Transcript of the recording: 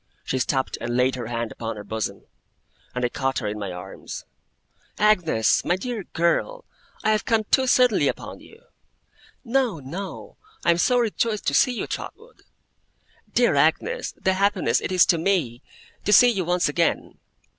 She stopped and laid her hand upon her bosom, and I caught her in my arms. 'Agnes! my dear girl! I have come too suddenly upon you.' 'No, no! I am so rejoiced to see you, Trotwood!' 'Dear Agnes, the happiness it is to me, to see you once again!